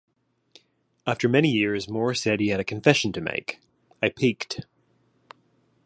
After many years, Moore said he had a confession to make: I peeked.